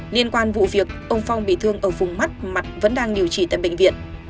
liên quan vụ việc ông phong bị thương ở vùng mắt mặt vẫn đang điều trị tại bệnh viện